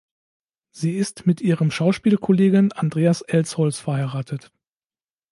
Sie ist mit ihrem Schauspielkollegen Andreas Elsholz verheiratet.